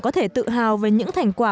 có thể tự hào về những thành quả